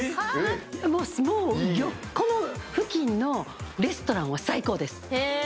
もうこの付近のレストランは最高です。